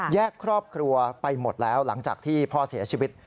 ครอบครัวไปหมดแล้วหลังจากที่พ่อเสียชีวิต